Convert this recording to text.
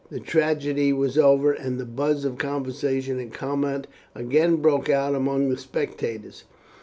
The tragedy was over, and the buzz of conversation and comment again broke out among the spectators.